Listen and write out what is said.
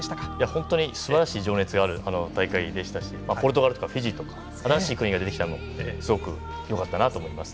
本当にすばらしい情熱があった大会でしたしポルトガルとか、フィジーとか新しい国が出てきたのもすごくよかったなと思います。